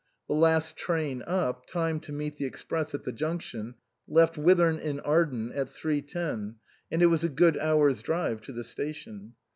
The last train up, timed to meet the ex press at the junction, left Whithorn in Arden at 3.10, and it was a good hour's drive to the station.